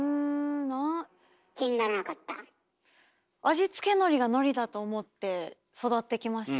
味付けのりがのりだと思って育ってきましたね。